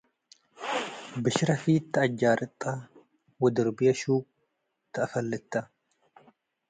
ብሽረ ፊት ተአጃርጠ ወድርብየ ሹክ ተአፈልተ።